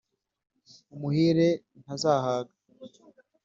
umuhire ntazahaga